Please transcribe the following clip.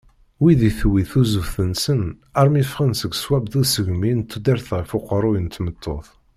Wid i tewwi tuzzuft-nsen armi ffɣen seg sswab d usegmi n tudert ɣef uqerruy n tmeṭṭut.